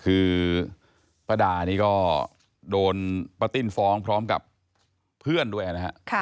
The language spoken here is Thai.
คือป้าดานี่ก็โดนป้าติ้นฟ้องพร้อมกับเพื่อนด้วยนะฮะ